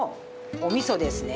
お味噌ですね。